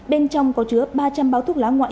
bên trong có chứa ba trăm linh bao thuốc lá ngoại